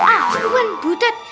ah bukan butet